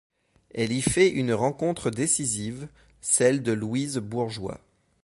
Elle y fait une rencontre décisive, celle de Louise Bourgeois.